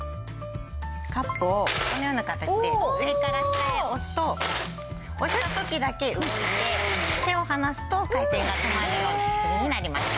カップをこのような形で上から下へ押すと押した時だけ動いて手を離すと回転が止まるような仕組みになります。